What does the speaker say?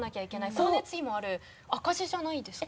光熱費もある赤字じゃないですか？